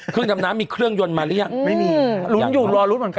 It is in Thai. เครื่องดำน้ำมีเครื่องยนต์มาแล้ว